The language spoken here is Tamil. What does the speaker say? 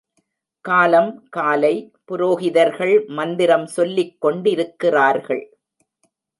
காலம் காலை புரோகிதர்கள் மந்திரம் சொல்லிக்கொண்டிருக்கிறார்கள்.